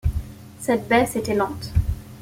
Cette baisse était lente.